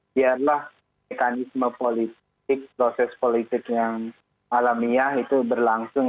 biarlah mekanisme politik proses politik yang alamiah itu berlangsung